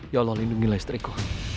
ya allah lindungilah istriku